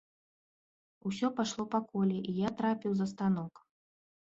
Усё пайшло па коле, і я трапіў за станок.